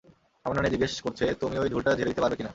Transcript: আমার নানী জিজ্ঞেস করছে, তুমি ঐ ঝুলটা ঝেড়ে দিতে পারবে কি না।